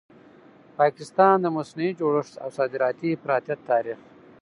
پاکستان؛ د مصنوعي جوړښت او صادراتي افراطیت تاریخ